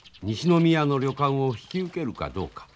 西宮の旅館を引き受けるかどうか。